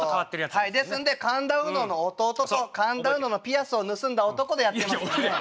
はいですんで神田うのの弟と神田うののピアスを盗んだ男でやってますんでね。